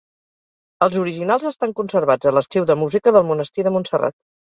Els originals estan conservats a l'Arxiu de Música del Monestir de Montserrat.